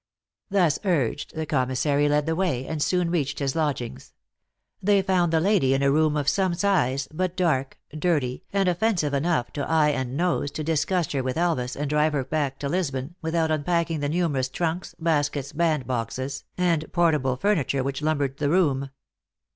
Thus urged, the commissary led the way, and soon reached his lodgings. They found the lady in a room of some size, but dark, dirty, and offensive enough to eye and nose to disgust her with Elvas and drive her back to Lisbon, without unpacking the numerous trunks, baskets, band boxes, and portable furniture which lumbered the room.